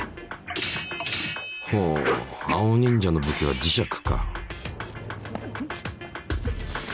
ほう青忍者の武器は磁石か。